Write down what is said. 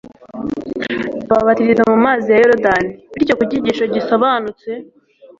ababatiriza mu mazi ya Yorodani. Bityo mu cyigisho gisobanutse,